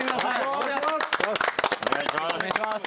お願いします。